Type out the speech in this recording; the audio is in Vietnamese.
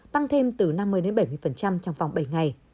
tăng thêm từ năm mươi bảy mươi trong vòng bảy ngày